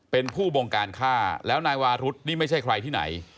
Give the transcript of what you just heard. เป็นผู้บงการฆ่าแล้วนายวารุธนี่ไม่ใช่ใครที่ไหน